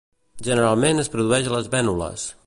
Generalment es produeix a les vènules.